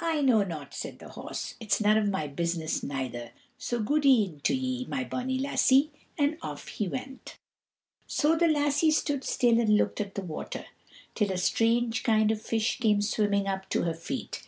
"I know not," said the horse, "it's none of my business neither. So goode'en to ye, my bonny lassie;" and off he went. So the lassie stood still and looked at the water, till a strange kind of fish came swimming up to her feet.